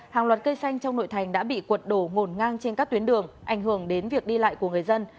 hàng loạt cây xanh trong nội thành đã bị quật đổ ngổn ngang trên các tuyến đường ảnh hưởng đến việc đi lại của người dân